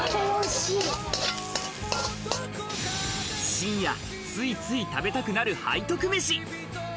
深夜、ついつい食べたくなる背徳飯。